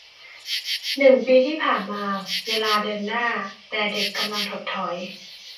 หนึ่งปีที่ผ่านมา เวลาเดินหน้า แต่เด็กกำลังถดถอย